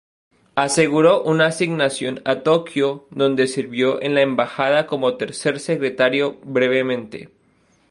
Aseguró una asignación a Tokio, donde sirvió en la embajada como tercer secretario brevemente.